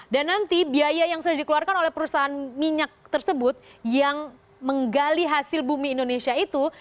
nanti biaya yang sudah dikeluarkan oleh perusahaan minyak tersebut yang menggali hasil bumi indonesia itu